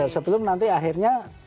sebelum nanti akhirnya